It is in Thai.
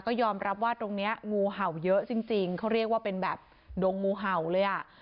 ก็ยอมรับว่าตรงนี้งูเห่าเยอะจริงเขาเรียกว่าเป็นแบบดงงูเห่าเลยอ่ะ